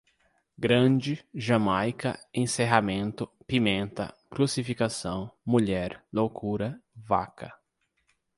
grande, jamaica, encerramento, pimenta, crucificação, mulher, loucura, vaca